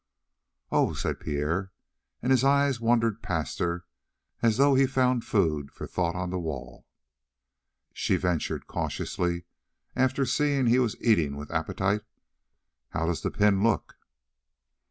"Oh!" said Pierre, and his eyes wandered past her as though he found food for thought on the wall. She ventured cautiously, after seeing that he was eating with appetite: "How does the pin look?"